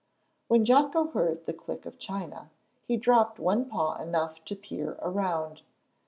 When Jocko heard the click of china, he dropped one paw enough to peer around.